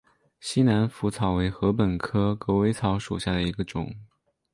西南莩草为禾本科狗尾草属下的一个种。